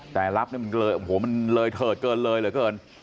แต่รับเนี่ยโหมันเลยเผิดเกินเลยเกิน